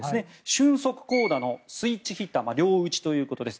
俊足好打のスイッチヒッター両打ということです。